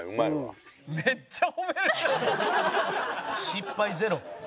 失敗ゼロ。